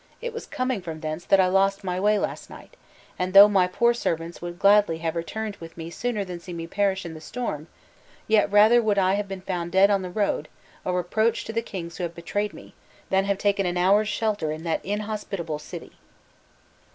It was coming from thence that I lost my way last night; and though my poor servants would gladly have returned with me sooner than see me perish in the storm; yet rather would I have been found dead on the road, a reproach to the kings who have betrayed me, than have taken an hour's shelter in that inhospitable city."